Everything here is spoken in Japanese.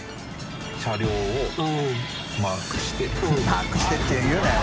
「マークして」って言うなよ。